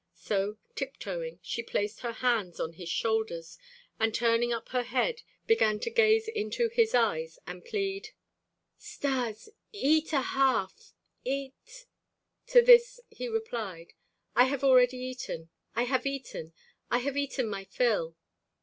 So, tiptoeing, she placed her hands on his shoulders, and turning up her head, began to gaze into his eyes and plead: "Stas! Eat a half, eat " To this he replied: "I have already eaten. I have eaten. I have eaten my fill."